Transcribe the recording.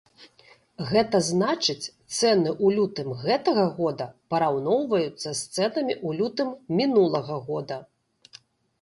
Гэта значыць, цэны ў лютым гэтага года параўноўваюцца з цэнамі ў лютым мінулага года.